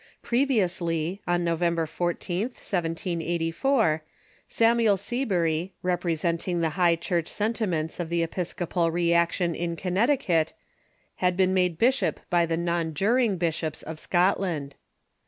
Pre viously, on November 14th, 1784, Samuel Seabury, represent ing the High Church sentiments of the Episcopal reaction in Connecticut, had been made bishop by the nonjuring bishops of Scotland.